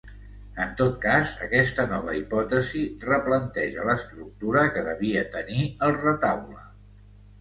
En tot cas aquesta nova hipòtesi replanteja l’estructura que devia tenir el retaule.